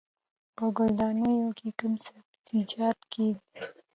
په ګلدانونو کې کوم سبزیجات کیږي؟